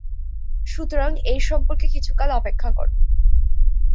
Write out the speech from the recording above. সুতরাং এর সম্পর্কে কিছুকাল অপেক্ষা কর।